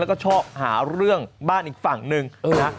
แล้วก็ชอบหาเรื่องบ้านอีกฝั่งหนึ่งนะ